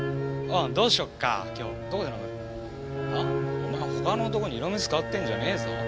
お前他の男に色目使ってんじゃねぇぞ。